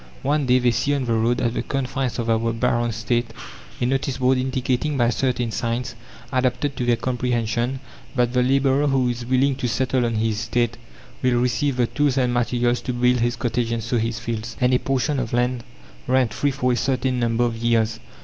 One day they see on the road at the confines of our baron's estate a notice board indicating by certain signs adapted to their comprehension that the labourer who is willing to settle on his estate will receive the tools and materials to build his cottage and sow his fields, and a portion of land rent free for a certain number of years.